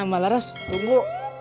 mbak laras tunggu